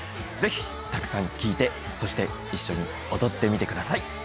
ぜひたくさん聴いてそして一緒に踊ってみてください。